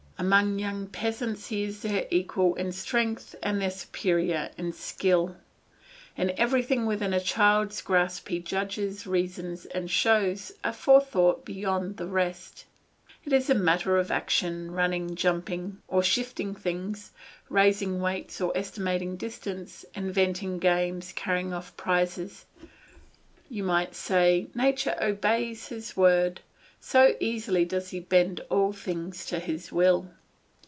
Among young peasants he is their equal in strength and their superior in skill. In everything within a child's grasp he judges, reasons, and shows a forethought beyond the rest. Is it a matter of action, running, jumping, or shifting things, raising weights or estimating distance, inventing games, carrying off prizes; you might say, "Nature obeys his word," so easily does he bend all things to his will.